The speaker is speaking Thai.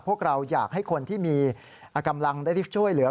พวกเราอยากให้คนที่มีกำลังได้รีบช่วยเหลือ